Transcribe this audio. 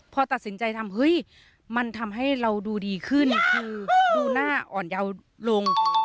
พอตัดสินใจทำเฮ้ยมันทำให้เราดูดีขึ้นคือดูหน้าอ่อนเยาว์ลง